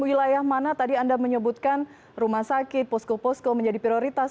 wilayah mana tadi anda menyebutkan rumah sakit posko posko menjadi prioritas